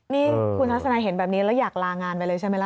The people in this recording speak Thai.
นี่คุณทัศนัยเห็นแบบนี้แล้วอยากลางานไปเลยใช่ไหมล่ะ